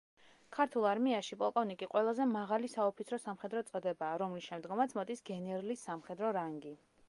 ქართულ არმიაში პოლკოვნიკი ყველაზე მაღალი საოფიცრო სამხედრო წოდებაა, რომლის შემდგომაც მოდის გენერლის სამხედრო რანგი.